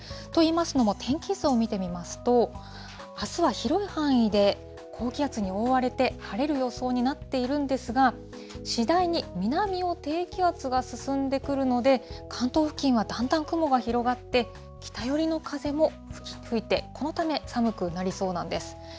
といいますのも、天気図を見てみますと、あすは広い範囲で高気圧に覆われて、晴れる予想になっているんですが、次第に南を低気圧が進んでくるので、関東付近はだんだん雲が広がって、北寄りの風も吹いて、このため寒くなりそうなんです。